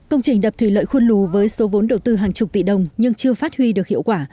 công trình đập thủy lợi khuôn lù với số vốn đầu tư hàng chục tỷ đồng nhưng chưa phát huy được hiệu quả